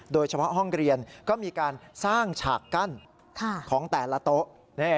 โดยเฉพาะห้องเรียนก็มีการสร้างฉากกั้นของแต่ละโต๊ะ